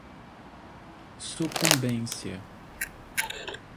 sucumbência